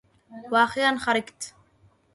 و أخيرا خرجت.